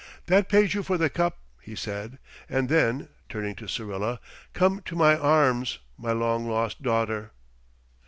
"That pays you for the cup," he said. And then, turning to Syrilla: "Come to my arms, my long lost daughter!"